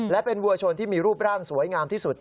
และเป็นวัวชนที่มีรูปร่างสวยงามที่สุด